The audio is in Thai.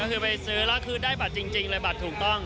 ก็คือไปซื้อแล้วคือได้บัตรจริงเลยบัตรถูกต้อง